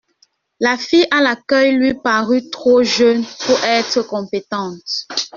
La fille à l’accueil lui parut trop jeune pour être compétente.